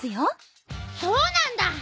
そうなんだ！